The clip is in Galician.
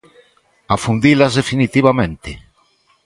¿Afundilas definitivamente?